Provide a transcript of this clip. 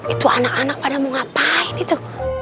itu anak anak pada mau ngapain itu